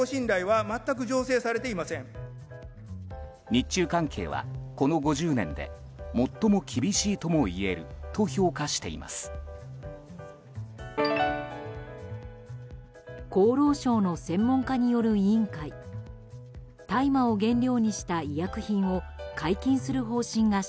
日中関係はこの５０年で最も厳しいともいえると医療用の大麻を巡り